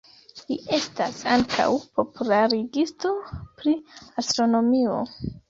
Li estas ankaŭ popularigisto pri astronomio.